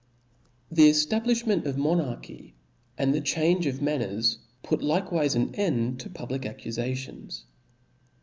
The eftablifhment of monarchy and the change of manners put likewife an end to public accufa tions.